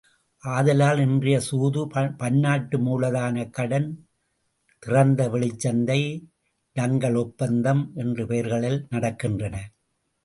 ஆதலால், இன்றைய சூது பன்னாட்டு மூலதனக் கடன், திறந்த வெளிச்சந்தை, டங்கல் ஒப்பந்தம் என்ற பெயர்களில் நடக்கின்றன.